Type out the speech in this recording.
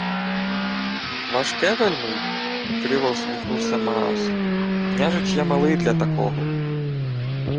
— Важке вельми? — криво всміхнувся Маас. — Княжич є малий для такого.